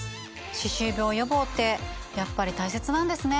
歯周病予防ってやっぱり大切なんですね。